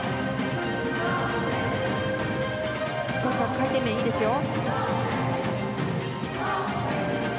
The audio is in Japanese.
回転面、いいですよ。